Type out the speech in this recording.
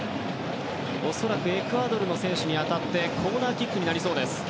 恐らくエクアドルの選手に当たってコーナーキックになりそうです。